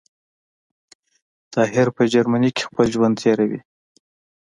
طاهر په جرمنی کي خپل ژوند تیروی